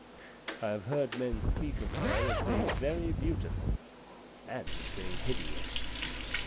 I have heard men speak of her as being very beautiful and as being hideous.